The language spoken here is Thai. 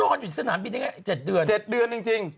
นอนอยู่ที่สนามบิน๗เดือน